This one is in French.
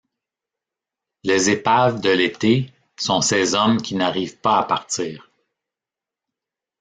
Les épaves de l’été sont ces hommes qui n’arrivent pas à partir.